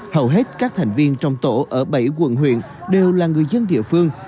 hầu hết các thành viên trong tổ ở bảy quận huyện đều là người dân địa phương